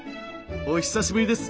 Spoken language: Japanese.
お久しぶりです